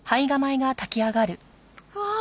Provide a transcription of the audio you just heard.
うわ！